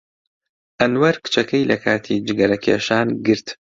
ئەنوەر کچەکەی لە کاتی جگەرەکێشان گرت.